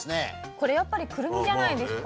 これやっぱりクルミじゃないですか？